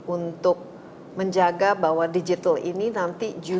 untuk menjaga bahwa digital ini nanti juga bisa berhasil